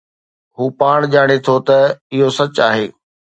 هو پاڻ ڄاڻي ٿو ته اهو سچ آهي